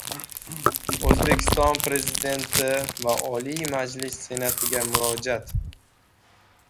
O‘zbekiston Prezidenti va Oliy Majlis Senatiga murojaat